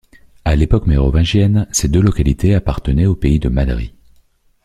À l'époque mérovingienne, ces deux localités appartenaient au pays de Madrie.